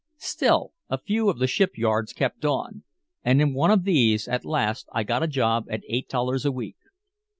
"Still a few of the ship yards kept on, and in one of these at last I got a job at eight dollars a week.